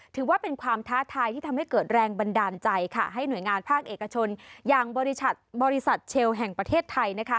ถือว่าเป็นความท้าทายที่ทำให้เกิดแรงบันดาลใจให้หน่วยงานภาคเอกชนอย่างบริษัทเชลแห่งประเทศไทย